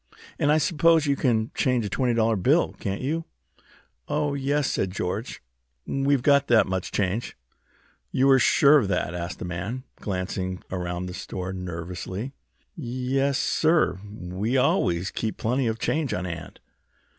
"And I suppose you can change a twenty dollar bill, can't you?" "Oh, yes," said George. "We've got that much change." "You were sure of that?" asked the man, glancing around the store nervously. "Yes, sir, we always keep plenty of change on hand."